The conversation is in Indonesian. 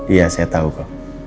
iya saya tahu kok